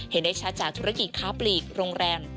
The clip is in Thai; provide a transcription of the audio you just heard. เห็นได้ชัดจากธุรกิจค้าปลีกโรงแรม